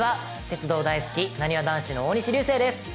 鉄道大好きなにわ男子の大西流星です。